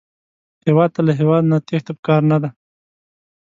هېواد ته له هېواده نه تېښته پکار نه ده